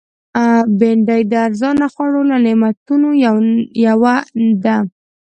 بېنډۍ د ارزانه خوړو له نعمتونو یوه ده